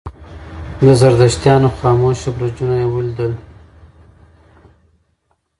د زردشتانو خاموشه برجونه یې ولیدل.